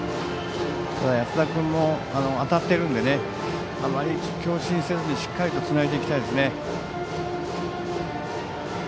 ただ、安田君も当たっているのであまり強振せずにしっかりつないでいきたいですね。